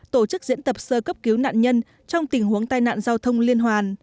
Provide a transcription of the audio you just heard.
tổ chức diễn tập sơ cấp cứu nạn nhân trong tình huống tai nạn giao thông liên hoàn